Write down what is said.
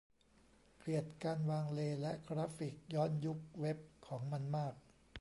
เกลียดการวางเลย์และกราฟิกย้อนยุคเว็บของมันมาก